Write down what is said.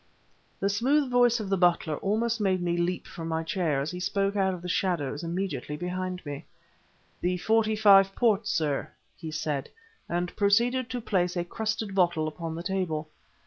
The smooth voice of the butler almost made me leap from my chair, as he spoke out of the shadows immediately behind me. "The '45 port, sir," he said and proceeded to place a crusted bottle upon the table.